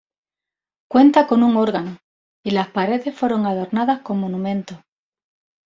Cuenta con un órgano y las paredes fueron adornadas con monumentos.